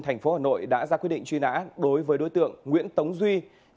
thành phố hà nội đã ra quyết định truy nã đối với đối tượng nguyễn tống duy